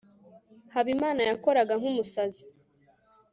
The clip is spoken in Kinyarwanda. habimana yakoraga nkumusazi